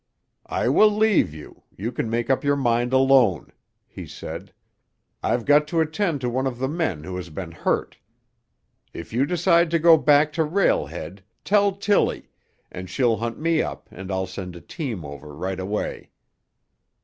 "I will leave you; you can make up your mind alone," he said. "I've got to attend to one of the men who has been hurt. If you decide to go back to Rail Head, tell Tilly, and she'll hunt me up and I'll send a team over right away."